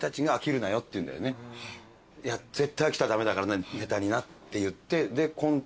「絶対飽きたら駄目だからなネタにな」って言ってコント。